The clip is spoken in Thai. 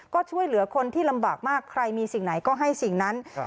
ก็ช่วยเหลือคนที่ลำบากมากใครมีสิ่งไหนก็ให้สิ่งนั้น